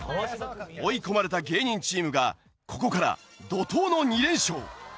追い込まれた芸人チームがここから怒濤の２連勝！